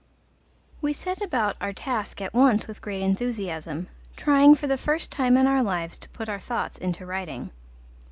We set about our task at once with great enthusiasm, trying for the first time in our lives to put our thoughts into writing.